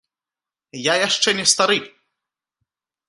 Я яшчэ не стары.